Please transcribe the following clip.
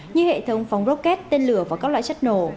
như hệ thống phóng rocket tên lửa và các loại chất nổ